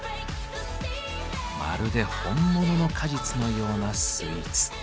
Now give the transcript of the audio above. まるで本物の果実のようなスイーツ。